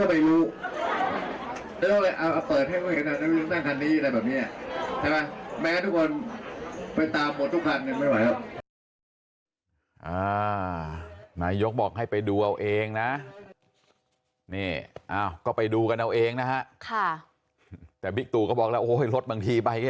ไปได้อีกเดี๋ยวผิดกฎหมายอีกไปดูเอาเอง